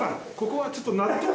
ここはちょっと納豆で。